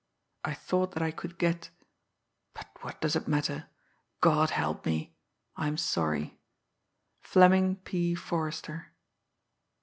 I thought that I could get but what does that matter! God help me! I'm sorry. FLEMING P. FORRESTER.